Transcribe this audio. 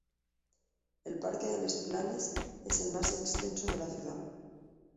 El parque de Les Planes es el más extenso de la ciudad.